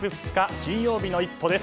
金曜日の「イット！」です。